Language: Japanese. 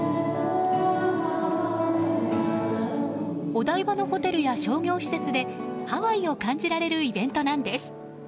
お台場のホテルや商業施設でハワイを感じられるイベントなんです。